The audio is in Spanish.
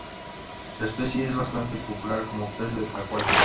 La especie es bastante popular como pez de acuario.